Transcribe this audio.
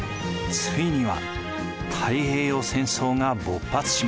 ついには太平洋戦争が勃発します。